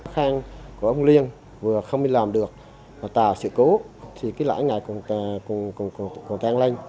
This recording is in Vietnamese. khang của ông liên vừa không đi làm được tàu sự cố lãi ngại còn tàn lên